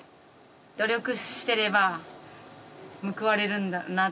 努力してれば報われるんだな。